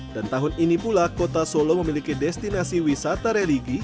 dan tahun ini pula kota solo memiliki destinasi wisata religi